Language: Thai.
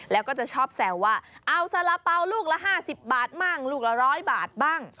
แล้วก็จะชอบแซวว่าเอาสาระเป๋าลูกละ๕๐บาทบ้างลูกละ๑๐๐บาทบ้าง